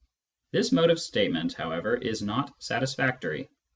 This mode of statement, however, is not satis factory.